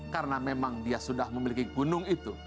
karena memang dia sudah memiliki gunung itu